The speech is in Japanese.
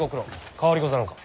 変わりござらんか。